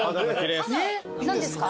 何ですか？